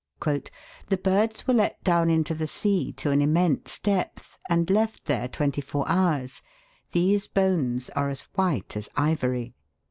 " The birds were let down into the sea to an immense depth, and left there twenty four hours ; these bones are as white as ivory."